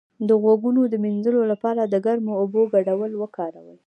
د غوږونو د مینځلو لپاره د ګرمو اوبو ګډول وکاروئ